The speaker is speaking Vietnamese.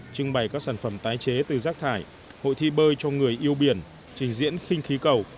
trưng bày các sản phẩm tái chế từ rác thải hội thi bơi cho người yêu biển trình diễn khinh khí cầu